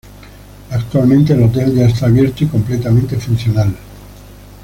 Actualmente el hotel ya está abierto y completamente funcional.